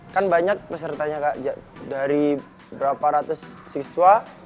kan banyak pesertanya kak dari berapa ratus siswa